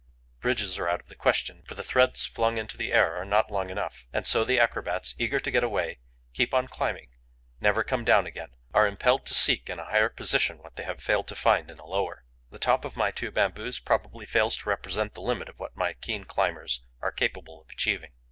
Bridges are out of the question, for the threads flung into the air are not long enough. And so the acrobats, eager to get away, keep on climbing, never come down again, are impelled to seek in a higher position what they have failed to find in a lower. The top of my two bamboos probably fails to represent the limit of what my keen climbers are capable of achieving.